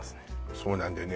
そうなんだよね